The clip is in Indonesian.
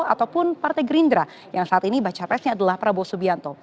ataupun partai gerindra yang saat ini baca presnya adalah prabowo subianto